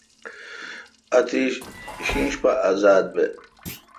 اتیش شینش پہ ازات بے°۔